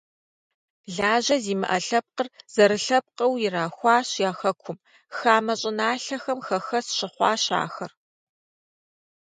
Лажьэ зимыӀэ лъэпкъыр зэрылъэпкъыу ирахуащ я хэкум, хамэ щӀыналъэхэм хэхэс щыхъуащ ахэр.